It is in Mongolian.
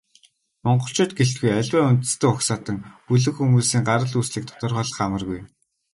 Монголчууд гэлтгүй, аливаа үндэстэн угсаатан, бүлэг хүмүүсийн гарал үүслийг тодорхойлох амаргүй.